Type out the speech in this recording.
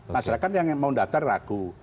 masyarakat yang mau daftar ragu